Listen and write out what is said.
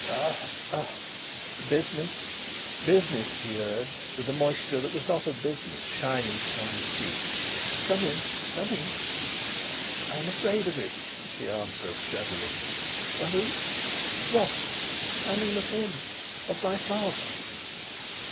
"A a a business, business!" he urged, with a moisture that was not of business shining on his cheek. "Come in, come in!" "I am afraid of it," she answered, shuddering. "Of it? What?" "I mean of him. Of my father."